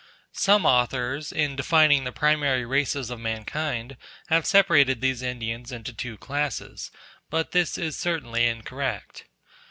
Some authors, in defining the primary races of mankind, have separated these Indians into two classes; but this is certainly incorrect.